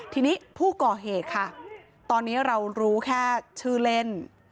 ทีนี้ผู้ก่อเหตุค่ะตอนนี้เรารู้แค่ชื่อเล่น